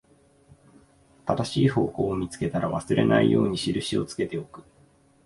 正しい方向を見つけたら、忘れないように印をつけておく